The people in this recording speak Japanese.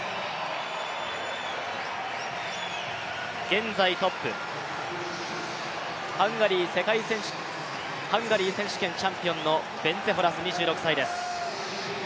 現在トップ、ハンガリー選手権チャンピオンのベンツェ・ホラス２６歳です。